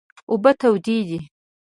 اوبه تودې دي